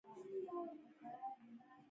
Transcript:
په چای کې بوره یا ګوړه اچول کیږي.